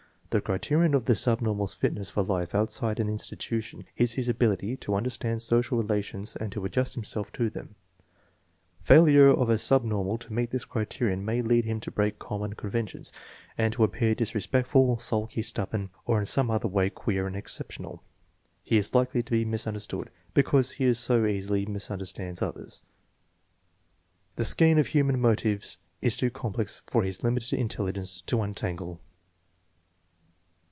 The criterion of the subnormal's fitness for life outside an institution is his ability to under stand social relations and to adjust himself to them. Fail ure of a subnormal to meet this criterion may lead him to break common conventions, and to appear disrespectful, sulky, stubborn, or in some other way queer and exceptional. He is likely to be misunderstood, because he so easily mis understands others. The skein of human motives is too complex for his limited intelligence to untangle.